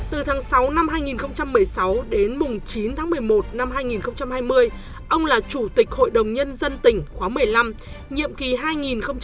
từ tháng sáu năm hai nghìn một mươi sáu đến chín tháng một mươi một năm hai nghìn hai mươi ông là chủ tịch hội đồng nhân dân tỉnh khóa một mươi năm nhiệm kỳ hai nghìn một mươi sáu hai nghìn hai mươi một